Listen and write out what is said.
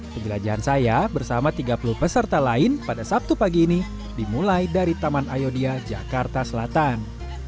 penjelajahan saya bersama tiga puluh peserta lain pada sabtu pagi ini dimulai dari taman ayodia jakarta selatan